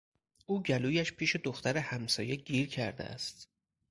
او گلویش پیش دختر همسایه گیر کرده است.